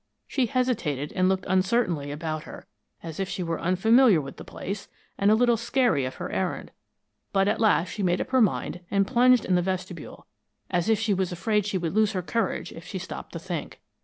She hesitated and looked uncertainly about her, as if she were unfamiliar with the place and a little scary of her errand, but at last she made up her mind, and plunged in the vestibule, as if she was afraid she would lose her courage if she stopped to think.